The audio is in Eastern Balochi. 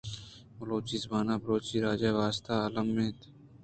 بلوچی زبان بلوچ راج ءِ واست ءَ المی اِنت۔